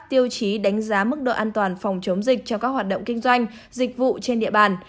tiêu chí đánh giá mức độ an toàn phòng chống dịch cho các hoạt động kinh doanh dịch vụ trên địa bàn